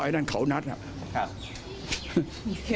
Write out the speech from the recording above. ราตรหมายและพระพิจารย์ยังจัดได้นะครับ